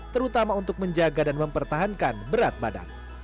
terutama untuk menjaga dan mempertahankan berat badan